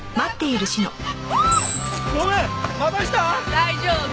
大丈夫。